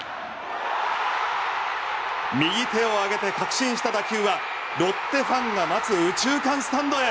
右手を上げて確信した打球はロッテファンが待つ右中間スタンドへ。